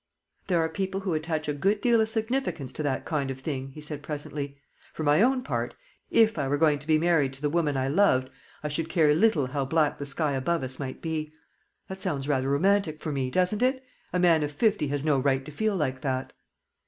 "There are people who attach a good deal of significance to that kind of thing," he said presently. "For my own part, if I were going to be married to the woman I loved, I should care little how black the sky above us might be. That sounds rather romantic for me, doesn't it? A man of fifty has no right to feel like that."